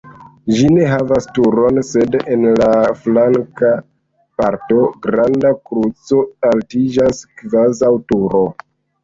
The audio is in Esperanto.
Ĝi ne havas turon, sed en la flanka parto granda kruco altiĝas kvazaŭ turo.